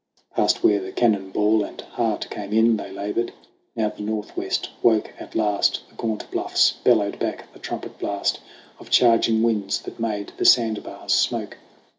Past where the Cannon Ball and Heart come in They labored. Now the Northwest 'woke at last. The gaunt bluffs bellowed back the trumpet blast Of charging winds that made the sandbars smoke.